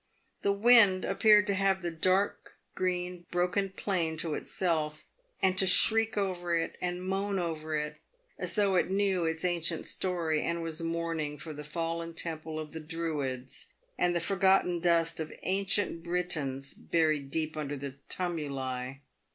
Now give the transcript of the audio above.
The wind appeared to have the dark green, broken plain to itself, and to shriek over it and moan over it as though it knew its ancient story, and was mourning for the fallen temple of the Druids, and the forgotten dust of ancient Britons buried deep under the tumuli?